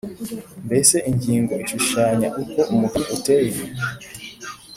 mbese ingingo ishushanya uko umugani uteye